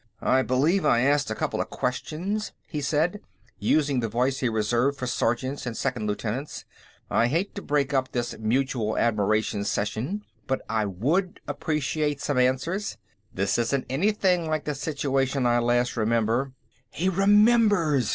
"I believe I asked a couple of questions," he said, using the voice he reserved for sergeants and second lieutenants. "I hate to break up this mutual admiration session, but I would appreciate some answers. This isn't anything like the situation I last remember...." "He remembers!"